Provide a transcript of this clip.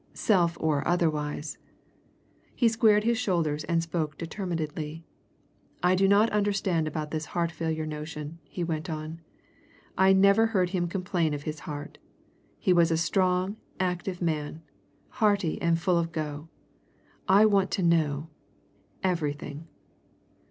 "Self or otherwise." He squared his shoulders and spoke determinedly. "I don't understand about this heart failure notion," he went on. "I never heard him complain of his heart. He was a strong, active man hearty and full of go. I want to know everything."